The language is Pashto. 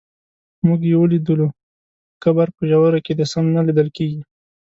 موږ یې ولیدلو خو قبر په ژورو کې دی سم نه لیدل کېږي.